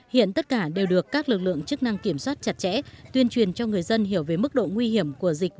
hiện tất cả đều được các lực lượng chức năng kiểm soát chặt chẽ tuyên truyền cho người dân hiểu về mức độ nguy hiểm của dịch